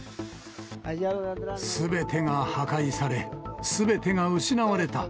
すべてが破壊され、すべてが失われた。